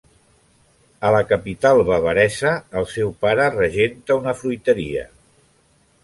A la capital bavaresa el seu pare regenta una fruiteria.